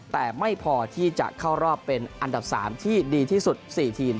แต่ไม่พอที่จะเข้ารอบเป็นอันดับ๓ที่ดีที่สุด๔ทีม